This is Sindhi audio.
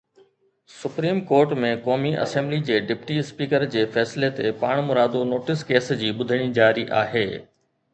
سپريم ڪورٽ ۾ قومي اسيمبلي جي ڊپٽي اسپيڪر جي فيصلي تي پاڻمرادو نوٽيس ڪيس جي ٻڌڻي جاري آهي.